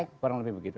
kurang lebih begitu